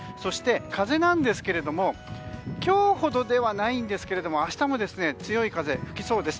風は今日ほどではないんですが明日も強い風が吹きそうです。